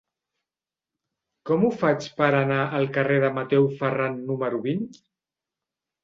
Com ho faig per anar al carrer de Mateu Ferran número vint?